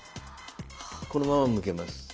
このまま向けます。